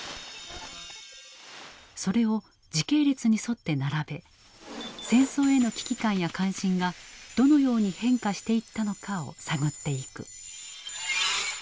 それを時系列に沿って並べ戦争への危機感や関心がどのように変化していったのかを探っていく。